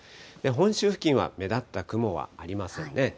本州付近は目立った雲はありませんね。